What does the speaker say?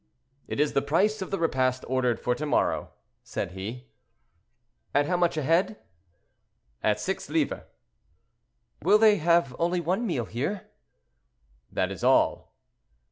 "It is the price of the repast ordered for to morrow," said he. "At how much a head?" "At six livres." "Will they have only one meal here?" "That is all."